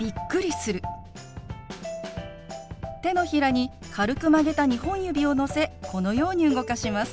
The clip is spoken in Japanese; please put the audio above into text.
手のひらに軽く曲げた２本指をのせこのように動かします。